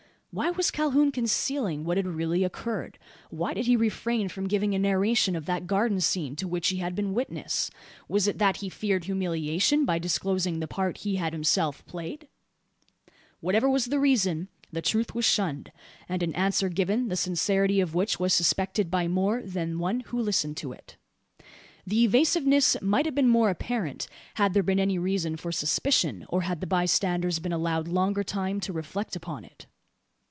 Why was Calhoun concealing what had really occurred? Why did he refrain from giving a narration of that garden scene to which he had been witness? Was it, that he feared humiliation by disclosing the part he had himself played? Whatever was the reason, the truth was shunned; and an answer given, the sincerity of which was suspected by more than one who listened to it. The evasiveness might have been more apparent, had there been any reason for suspicion, or had the bystanders been allowed longer time to reflect upon it.